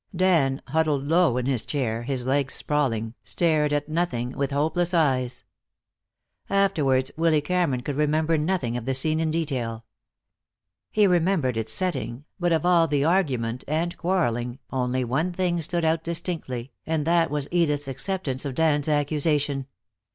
Dan, huddled low in his chair, his legs sprawling, stared at nothing with hopeless eyes. Afterwards Willy Cameron could remember nothing of the scene in detail. He remembered its setting, but of all the argument and quarreling only one thing stood out distinctly, and that was Edith's acceptance of Dan's accusation.